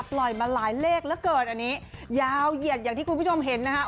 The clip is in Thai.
ปล่อยมาหลายเลขเหลือเกินอันนี้ยาวเหยียดอย่างที่คุณผู้ชมเห็นนะคะ